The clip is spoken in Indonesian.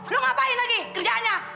lu ngapain lagi kerjaannya